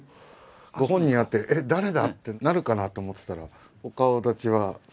ご本人に会ってえっ誰だ？ってなるかなと思ってたらお顔だちはそのままなんですね。